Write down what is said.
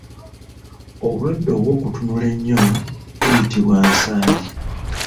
Obulwadde obw’okutunula ennyo buyitibwa Nsaali.